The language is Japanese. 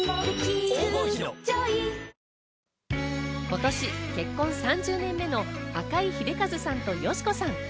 今年結婚３０年目の赤井英和さんと佳子さん。